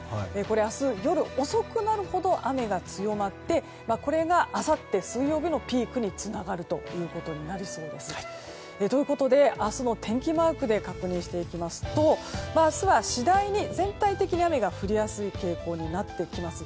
明日夜遅くなるほど雨が強まってこれがあさって水曜日のピークにつながるということになりそうです。ということで明日も天気マークで確認していきますと明日は次第に全体的に雨が降りやすい傾向になってきます。